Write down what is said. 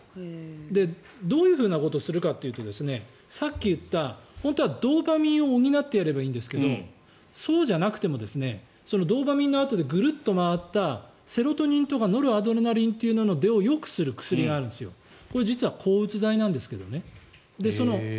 どういうふうなことをするかというとドーパミンを補ってやればいいんだけど、そうじゃなくてもドーパミンのあとでぐるっと回ったセロトニンとかノルアドレナリンを出やすくする薬があるんですが実は抗うつ剤なんですけどね。